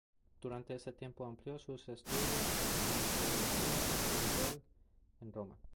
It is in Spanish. Durante este tiempo amplió sus estudios en teología espiritual en Roma.